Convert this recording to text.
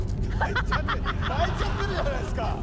泣いちゃってるじゃないですか！